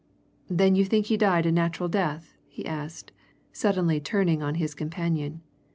"Then you think he died a natural death?" he asked, suddenly turning on his companion.